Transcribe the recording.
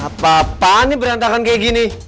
apa apaan ini berantakan kayak gini